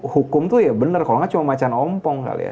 hukum tuh ya bener kalo gak cuma macan ompong kali ya